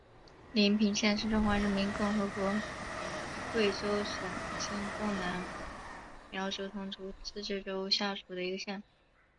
黎平县是中华人民共和国贵州省黔东南苗族侗族自治州下属的一个县。